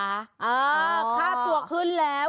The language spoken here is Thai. ค่าตัวขึ้นแล้ว